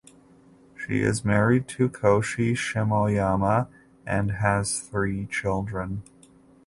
She is married to Koshi Shimoyama and has three children.